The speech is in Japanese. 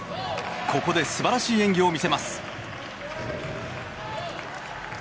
ここで素晴らしい演技を見せます。